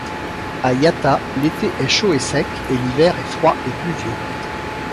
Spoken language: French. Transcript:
A Yatta l'été est chaud et sec et l'hiver est froid et pluvieux.